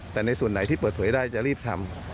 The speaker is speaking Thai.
แต่ในส่วนไหนที่เปิดเผยได้จะรีบทำ